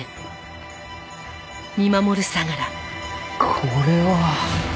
これは。